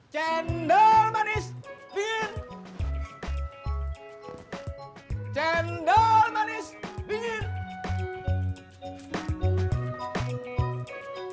cendol manis dingin